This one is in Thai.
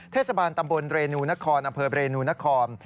เทศบาลตำบลเรนูนครอำเภอเรนูนคร